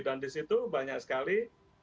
dan disitu banyak sekali